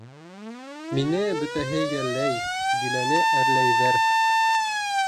Мине бөтәһе йәлләй, Диләне әрләйҙәр.